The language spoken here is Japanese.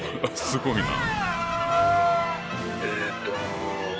すごいな。